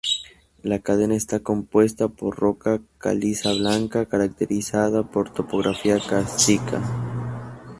La cadena está compuesta por roca caliza blanca, caracterizada por topografía cárstica.